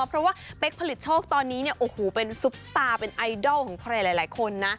เพราะว่าเป๊กผลิตโชคตอนนี้เนี่ยโอ้โหเป็นซุปตาเป็นไอดอลของใครหลายคนนะ